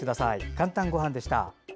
「かんたんごはん」でした。